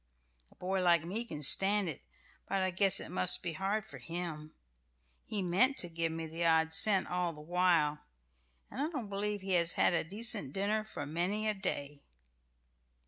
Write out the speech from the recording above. A boy like me can stand it, but I guess it must be hard for him. He meant to give me the odd cent all the while; and I don't believe he has had a decent dinner for many a day."